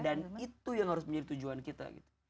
dan itu yang harus menjadi tujuan kita gitu